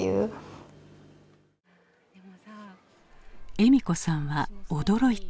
笑美子さんは驚いた。